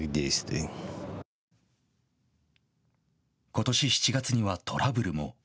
ことし７月にはトラブルも。